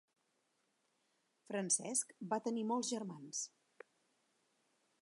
Francesc va tenir molts germans.